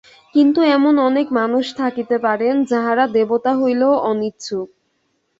কিন্তু এমন অনেক মানুষ থাকিতে পারেন, যাঁহারা দেবতা হইতেও অনিচ্ছুক।